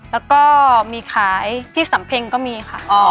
แล้วก็มีขายที่สำเพ็งก็มีค่ะ